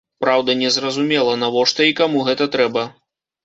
Праўда, незразумела, навошта і каму гэта трэба.